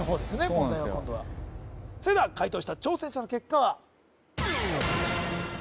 問題は今度はそれでは解答した挑戦者の結果は？